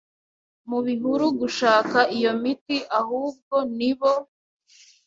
mu bihuru gushaka iyo miti ahubwo nibo